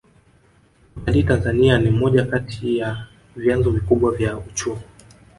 utalii tanzania ni moja kati ya vyanzo vikubwa vya uchumi